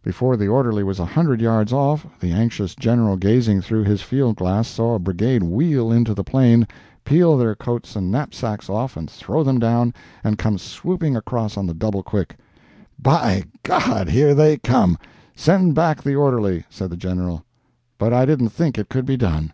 Before the orderly was a hundred yards off, the anxious General gazing through his field glass, saw a brigade wheel into the plain, peel their coats and knapsacks off and throw them down, and come sweeping across on the double quick. "By G—. here they come!—send back the orderly," said the General—"but I didn't think it could be done."